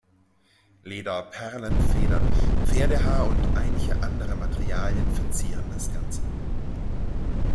Leder, Perlen, Federn, Pferdehaar und einige andere Materialien verzieren das Ganze.